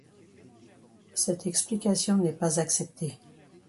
Cette explication n'est pas acceptée.